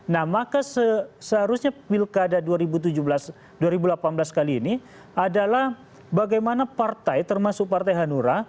nah maka seharusnya pilkada dua ribu delapan belas kali ini adalah bagaimana partai termasuk partai hanura